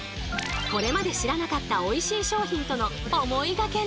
これまで知らなかったおいしい商品との思いがけない出会い。